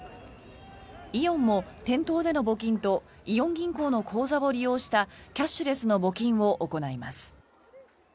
イオンも店頭での募金とイオン銀行の口座を利用したキャッシュレスの募金を行います。